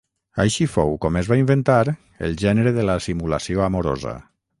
Així fou com es va inventar el gènere de la simulació amorosa.